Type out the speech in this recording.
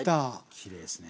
きれいですね。